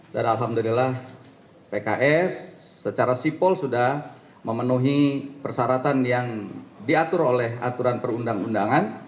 dan alhamdulillah pks secara sipol sudah memenuhi persyaratan yang diatur oleh aturan perundang undangan